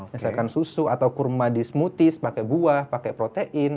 misalkan susu atau kurma di smoothies pakai buah pakai protein